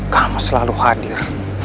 kamu selalu hadir